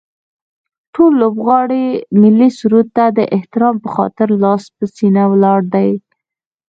ټول لوبغاړي ملي سرود ته د احترام به خاطر لاس په سینه ولاړ دي